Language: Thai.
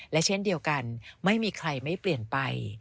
และเช่นเดียวกันไม่มีใครไม่เปลี่ยนไป